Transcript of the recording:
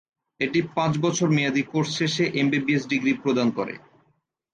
এটি পাঁচ বছর মেয়াদী কোর্স শেষে এমবিবিএস ডিগ্রি প্রদান করে।